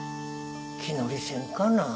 気乗りせんかな？